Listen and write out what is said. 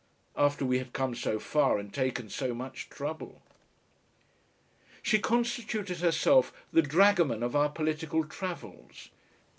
After we had come so far and taken so much trouble! She constituted herself the dragoman of our political travels.